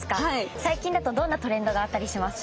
最近だとどんなトレンドがあったりしますか？